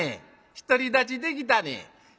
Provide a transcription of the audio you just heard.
独り立ちできたね。